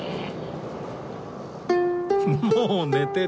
もう寝てる！